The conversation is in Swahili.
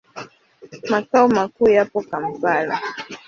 Makao makuu yapo Kampala.